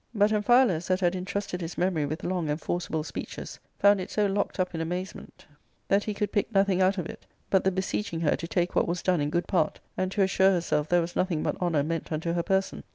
^' But Amphialus, that had intrusted his memory with long and forcible speeches, found it so locked up in amazement ARCADIA.— Book IIL 257 that he could pick nothing out of it but the beseeching her to take what was done in good part, and to assure herself there was nothing but honour meant unto her person.